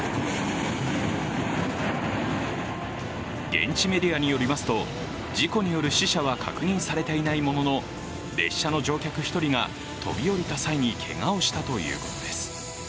現地メディアによりますと事故による死者は確認されていないものの列車の乗客１人が飛び降りた際にけがをしたということです。